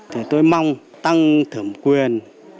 thì tôi mong tăng thẩm quyền